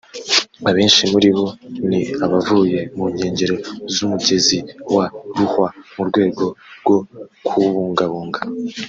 Abenshi muri bo ni abavuye mu nkengero z’umugezi wa Ruhwa mu rwego rwo kuwubungabunga